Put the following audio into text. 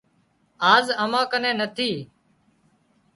آز امان ڪنين نٿي